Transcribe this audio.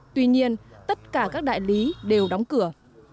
tuy nhiên tất cả các đại lý đều đóng cửa